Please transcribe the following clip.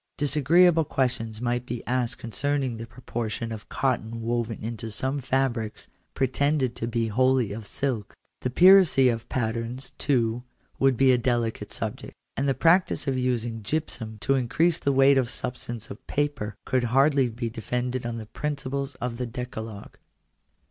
Disagreeable questions might be asked concerning the proportion of cotton woven into some fabrics, pretended to be wholly of silk. The piracy of patterns, too, would be a delicate subject. And the practice of using gypsum to increase the weight and substance of paper, could hardly be defended on the principles of the Decalogue.